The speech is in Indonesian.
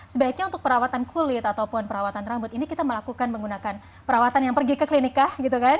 sebaiknya untuk perawatan kulit ataupun perawatan rambut ini kita melakukan menggunakan perawatan yang pergi ke klinik kah gitu kan